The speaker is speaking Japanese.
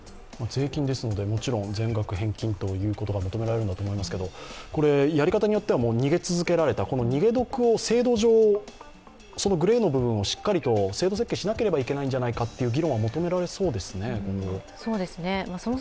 税金ですのでもちろん全額返金が求められるんだと思うんですけど、やり方によっては逃げ続けられた、この逃げ得を制度上、グレーの部分を制度設計しないといけないんじゃないかという議論は求められそうですね、今後。